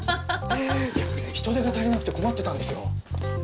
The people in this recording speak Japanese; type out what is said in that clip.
人手が足りなくて困ってたんですよ。